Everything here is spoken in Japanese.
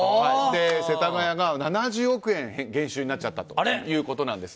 世田谷が７０億円減収になっちゃったんです。